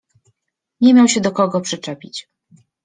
Nie miał się do kogo przyczepić.